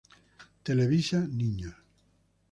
Televisa Niños.